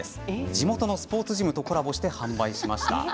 地元のスポーツジムとコラボして販売しました。